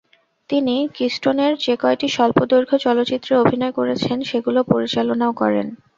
তিনি কিস্টোনের যেকয়টি স্বল্পদৈর্ঘ্য চলচ্চিত্রে অভিনয় করেছেন সেগুলো পরিচালনাও করেন।